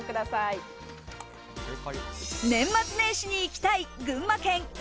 年末年始に行きたい群馬県伊